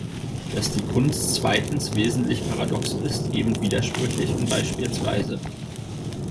Dass die Kunst zweitens wesentlich paradox ist, eben widersprüchlich und bspw.